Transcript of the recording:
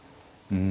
うん。